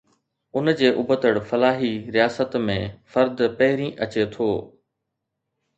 ان جي ابتڙ، فلاحي رياست ۾، فرد پهرين اچي ٿو.